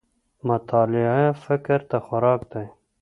مطالعه فکر ته خوراک دی